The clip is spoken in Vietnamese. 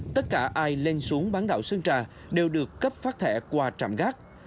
tất cả ai lên xuống bán đảo sơn trà đều được cấp phát thẻ qua trạm gác